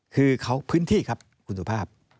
คือเขาพื้นที่ครับคุณสุภาพ